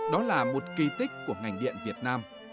đó là một kỳ tích của ngành điện việt nam